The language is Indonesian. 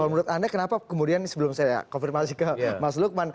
kalau menurut anda kenapa kemudian sebelum saya konfirmasi ke mas lukman